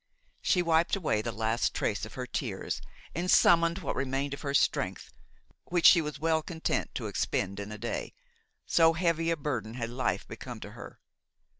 She wiped away the last trace of her tears and summoned what remained of her strength, which she was well content to expend in a day, so heavy a burden had life become to her.